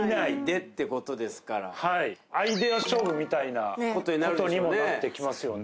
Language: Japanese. アイデア勝負みたいなことにもなってきますよね。